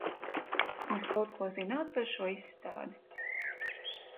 Jūs kaut ko zināt par šo izstādi?